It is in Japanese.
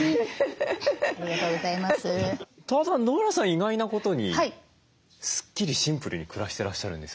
意外なことにスッキリシンプルに暮らしてらっしゃるんですよね？